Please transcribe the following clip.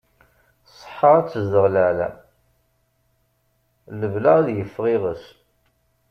Ṣṣeḥḥa ad tezdeɣ laɛḍam, lebla ad yeffeɣ iɣess.